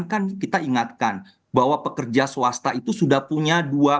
dan kan kita ingatkan bahwa pekerja swasta itu sudah punya dua